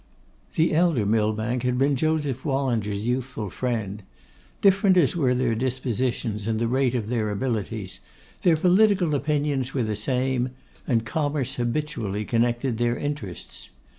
The elder Millbank had been Joseph Wallinger's youthful friend. Different as were their dispositions and the rate of their abilities, their political opinions were the same; and commerce habitually connected their interests.